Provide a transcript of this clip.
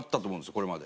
これまで。